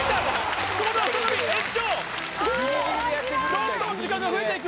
どんどん時間が増えて行く！